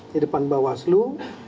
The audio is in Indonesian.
di depan bawaslu